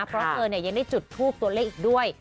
เพราะเธอยังได้จุดทูปตัวเลขอีกด้วย